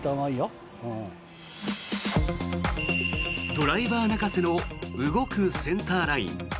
ドライバー泣かせの動くセンターライン。